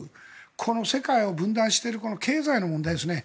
この世界を分断している経済の問題ですね。